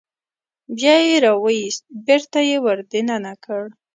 بیا یې راوویست بېرته یې ور دننه کړ.